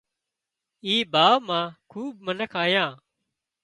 اي ڀاوَ مان کوٻ منک آيان